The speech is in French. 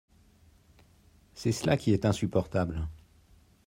C’est cela qui est insupportable.